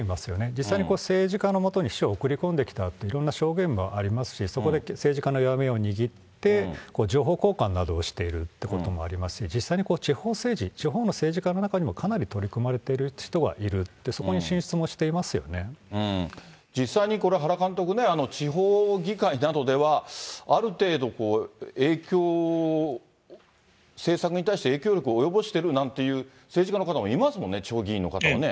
実際に政治家のもとに秘書を送り込んできたといういろいろな証言もありますし、そこで政治家の弱みを握って、情報交換などをしてるってこともありますし、実際に地方政治、地方の政治家の中にもかなり取り込まれている人はいる、実際にこれ、原監督ね、地方議会などではある程度、影響、政策に対して影響力を及ぼしてるなんて言う政治家の方もいますもんね、地方議員の方はね。